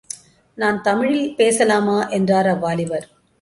நான் தமிழில் பேசலாமா? என்றார், அவ்வாலிபர்.